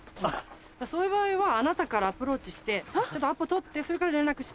そういう場合はあなたからアプローチしてアポ取ってそれから連絡して。